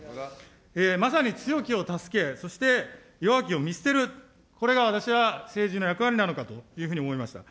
まさに強きを助け、そして弱きを見捨てる、これが私は政治の役割なのかというふうに思いました。